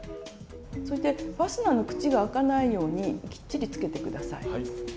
そしてファスナーの口が開かないようにきっちりつけて下さい。